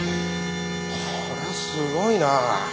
これはすごいな。